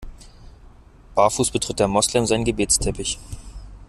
Barfuß betritt der Moslem seinen Gebetsteppich.